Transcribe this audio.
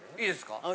いいですか？